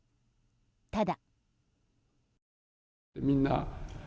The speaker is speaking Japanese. ただ。